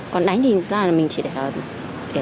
còn đánh thì thực ra mình chỉ để